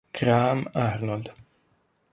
Graham Arnold